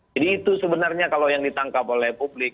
jadi itu sebenarnya kalau yang ditangkap oleh publik